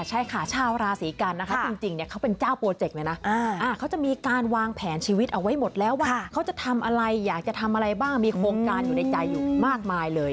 ใช่ค่ะชาวราศีกันนะคะจริงเขาเป็นเจ้าโปรเจกต์เลยนะเขาจะมีการวางแผนชีวิตเอาไว้หมดแล้วว่าเขาจะทำอะไรอยากจะทำอะไรบ้างมีโครงการอยู่ในใจอยู่มากมายเลย